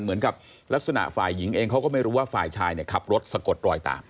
เหมือนกับลักษณะฝ่ายหญิงเองเขาก็ไม่รู้ว่าฝ่ายชายเนี่ยขับรถสะกดรอยตาม